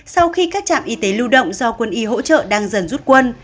sau khi các trạm y tế lưu động do quân y hỗ trợ đang dần rút quân